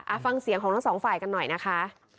ฟังเสียงของทั้งสองฝ่ายกันหน่อยนะคะ